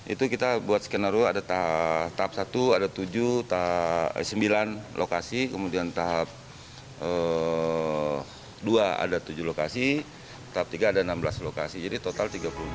itu kita buat skenario ada tahap satu ada tujuh sembilan lokasi kemudian tahap dua ada tujuh lokasi tahap tiga ada enam belas lokasi jadi total tiga puluh dua